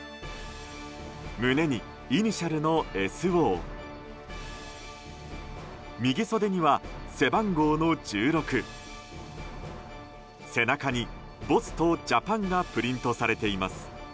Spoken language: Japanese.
胸にイニシャルの「ＳＯ」右袖には背番号の１６背中に「ＢＯＳＳ」と「ＪＡＰＡＮ」がプリントされています。